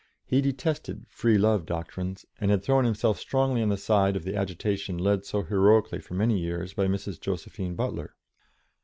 He detested "Free Love" doctrines, and had thrown himself strongly on the side of the agitation led so heroically for many years by Mrs. Josephine Butler.